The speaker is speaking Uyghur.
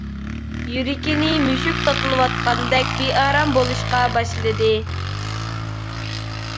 يۈرىكىنى مۈشۈك تاتىلاۋاتقاندەك بىئارام بولۇشقا باشلىدى.